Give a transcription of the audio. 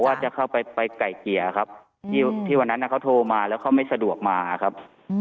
ว่าจะเข้าไปไก่เกลี่ยครับที่วันนั้นเขาโทรมาแล้วเขาไม่สะดวกมาครับ